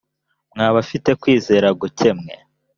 mwa bafite ukwizera guke mwe!